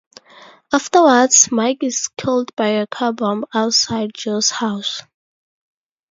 Afterwards, Mike is killed by a car bomb outside Joe's house.